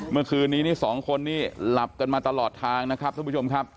เมื่อคืนนี้นี่สองคนนี่หลับกันมาตลอดทางนะครับท่านผู้ชมครับ